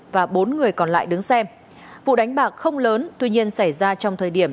và bốn người còn lại đứng xem vụ đánh bạc không lớn tuy nhiên xảy ra trong thời điểm